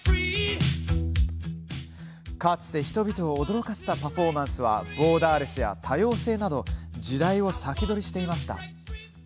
かつて人々を驚かせたパフォーマンスはボーダーレスや、多様性など時代を先取りしていました。